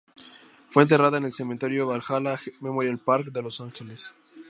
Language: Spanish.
Fue enterrada en el Cementerio Valhalla Memorial Park de Los Ángeles.